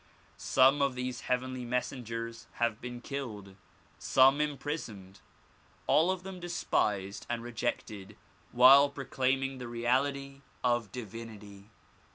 Some of these heavenly messengers have been killed, some imprisoned ; all of them despised and rejected while proclaim ing the reality of divinity.